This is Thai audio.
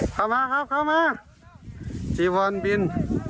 เข้ามาครับเข้ามาจีพรบิน